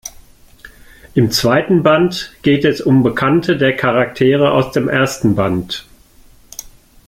Im zweiten Band geht es um Bekannte der Charaktere aus dem ersten Band.